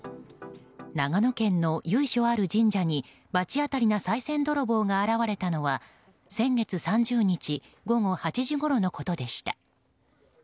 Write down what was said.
長野県の由緒ある神社に罰当たりなさい銭泥棒が現れたのは先月３０日午後８時ごろのことでした。